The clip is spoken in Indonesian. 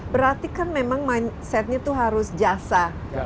berarti kan memang mindsetnya itu harus jasa